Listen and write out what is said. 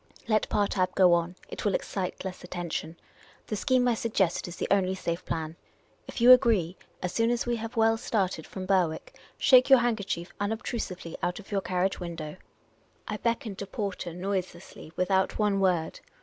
Let Partab go on ; it will excite le.ss attention. The .scheme I suggest is the only safe plan. If you agree, as soon as we have well started from Berwick, shake your handkerchief unobtrusively out of your carriage window." 3o6 Miss Caylcy's Adventures I beckoned a porter noiselessly without one word.